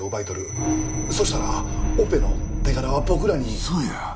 そうしたらオペの手柄は僕らに。